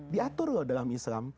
diatur loh dalam islam